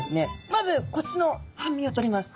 まずこっちの半身を取ります。